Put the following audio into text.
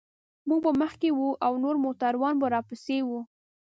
موږ به مخکې وو او نور موټران به راپسې و.